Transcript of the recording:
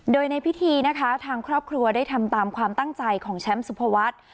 โดยในพิธีนะคะทางครอบครัวได้ทำตามความตั้งใจของแชมป์สุภวัฒน์